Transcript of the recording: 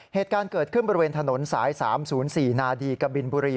เหตุการณ์เกิดขึ้นบริเวณถนนสาย๓๐๔นาดีกบินบุรี